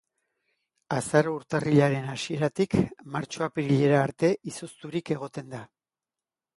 Azaro-urtarrilaren hasieratik martxo-apirilera arte izozturik egoten da.